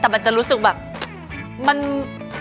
แต่มันจะรู้สึกแบบมันเสียใจนะ